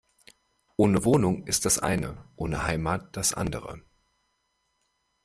Ohne Wohnung ist das eine, ohne Heimat das andere.